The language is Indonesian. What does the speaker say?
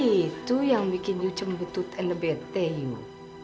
itu yang bikin you cembetut and bete you